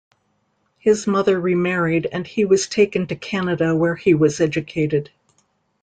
His mother remarried and he was taken to Canada, where he was educated.